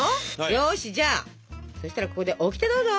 よしじゃあそしたらここでオキテどうぞ！